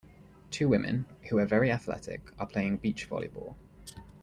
Two women, who are very athletic, are playing beach volleyball.